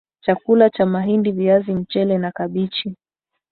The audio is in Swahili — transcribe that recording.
chakula cha mahindi viazi mchele na kabichi